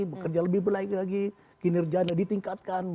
bekerja lebih berlaki laki kinerja ditingkatkan